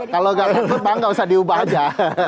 kalau gak bisa bang gak usah diubah aja